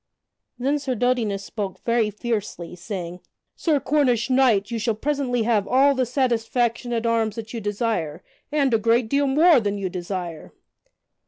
Then Sir Dodinas spoke very fiercely, saying: "Sir Cornish knight, you shall presently have all the satisfaction at arms that you desire and a great deal more than you desire."